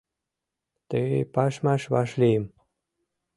Ты пашмаш вашлийым